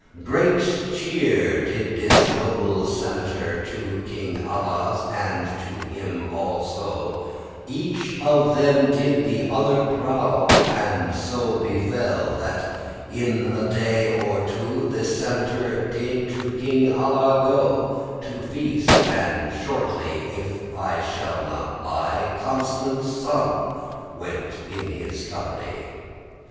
Great cheere* did this noble senator *courtesy To King Alla and he to him also; Each of them did the other great honor; And so befell, that in a day or two This senator did to King Alla go To feast, and shortly, if I shall not lie, Constance's son went in his company.